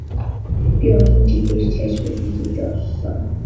Би олон жил эрж хайж байсан зүйлээ оллоо.